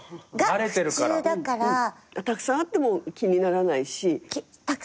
たくさんあっても気にならないし。